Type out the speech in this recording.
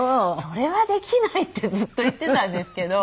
「それはできない」ってずっと言っていたんですけど。